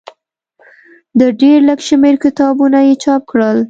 د ډېر لږ شمېر کتابونه یې چاپ کړل.